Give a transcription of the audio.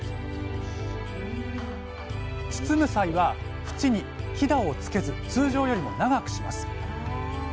包む際はふちにひだをつけず通常よりも長くします。